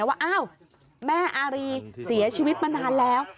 ว่าอ้าวแม่อารีเสียชีวิตมานานแล้ว